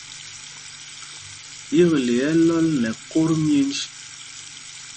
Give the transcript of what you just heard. Yekle ɛ́ ɛ́ lɔl nɛ kot myenj.